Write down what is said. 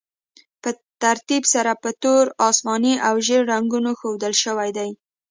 په ترتیب سره په تور، اسماني او ژیړ رنګونو ښودل شوي دي.